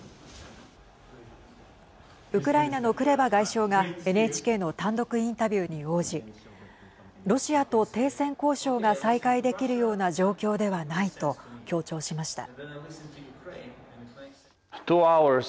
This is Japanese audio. ウクライナのクレバ外相がＮＨＫの単独インタビューに応じロシアと停戦交渉が再開できるような状況ではないと強調しました。